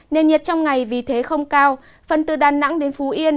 nền nhiệt trong ngày vì thế không cao phần từ đà nẵng đến phú yên